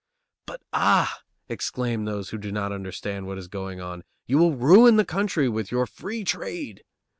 But "Ah!" exclaim those who do not understand what is going on; "you will ruin the country with your free trade!"